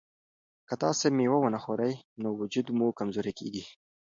که تاسي مېوه ونه خورئ نو وجود مو کمزوری کیږي.